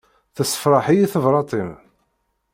Tessefṛeḥ-iyi tebrat-im.